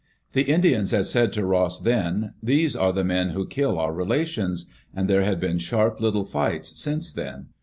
The Indians had said to Ross then, "These are the men who kill our relations," and there had been sharp little fights since then.